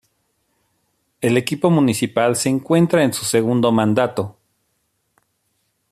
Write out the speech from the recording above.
El equipo municipal se encuentra en su segundo mandato.